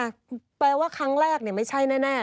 แปลว่าครั้งแรกเนี่ยไม่ใช่แน่